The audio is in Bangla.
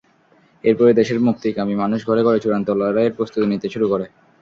এরপরই দেশের মুক্তিকামী মানুষ ঘরে ঘরে চূড়ান্ত লড়াইয়ের প্রস্তুতি নিতে শুরু করে।